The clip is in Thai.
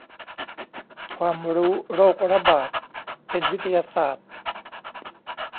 ความรู้โรคระบาด เป็นวิทยาศาสตร์